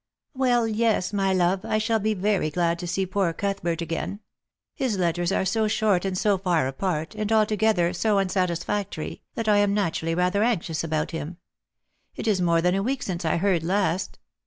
"Well, yes, my love, I shall b© very glad to see poor Cuthbert again. His letters are so short and so far apart, and altogether so unsatisfactory, that I am naturally rather anxious about him. It is more than a week since I heard last.